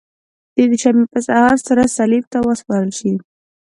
د دوشنبې په سهار سره صلیب ته وسپارل شي.